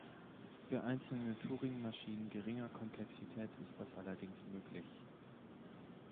Für einzelne Turingmaschinen geringer Komplexität ist das allerdings möglich.